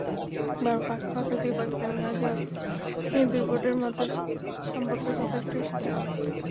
বারবার পাকা কথা দিয়েও পাকিস্তানে না-যাওয়া নিয়ে দুই বোর্ডের সম্পর্ক যথেষ্টই শীতল।